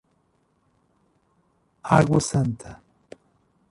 Água Santa